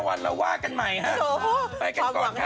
๕วันแล้วว่ากันใหม่ครับไปกันก่อนครับ